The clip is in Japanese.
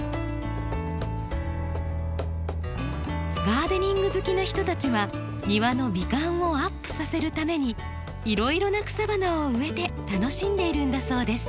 ガーデニング好きな人たちは庭の美観をアップさせるためにいろいろな草花を植えて楽しんでいるんだそうです。